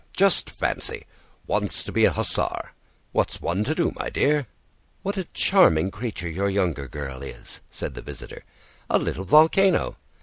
"Just fancy: wants to be an hussar. What's one to do, my dear?" "What a charming creature your younger girl is," said the visitor; "a little volcano!"